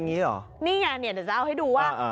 นี่เดี๋ยวจะเอาให้ดูว่า